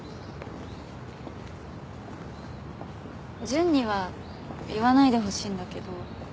純には言わないでほしいんだけど。